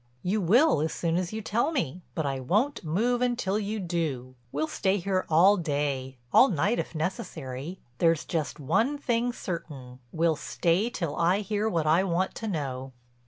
"You will as soon as you tell me. But I won't move until you do. We'll stay here all day, all night if necessary. There's just one thing certain: we'll stay till I hear what I want to know."